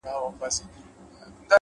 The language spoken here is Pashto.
له غرونو واوښتم ـ خو وږي نس ته ودرېدم ـ